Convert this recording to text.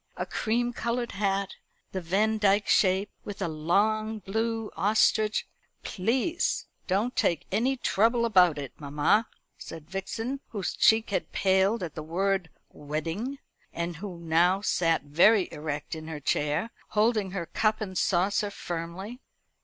A cream coloured hat the Vandyck shape with a long blue ostrich " "Please don't take any trouble about it, mamma," said Vixen, whose cheek had paled at the word "wedding," and who now sat very erect in her chair, holding her cup and saucer firmly.